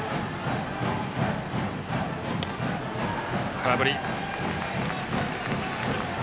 空振り。